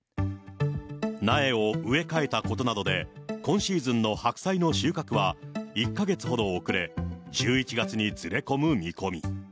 苗を植え替えたことなどで、今シーズンの白菜の収穫は１か月ほど遅れ、１１月にずれ込む見込み。